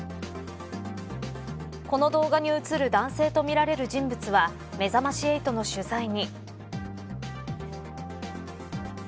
この動画に映る男性とみられる人物はめざまし８の取材に。